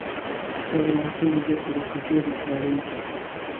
کتاب د مهارتونو د زده کړې او مسلکي ودې لپاره اړین دی.